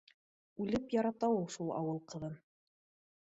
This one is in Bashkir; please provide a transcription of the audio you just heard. Үлеп ярата ул шул ауыл ҡыҙын